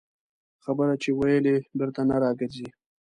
خبره چې ووېلې، بېرته نه راګرځي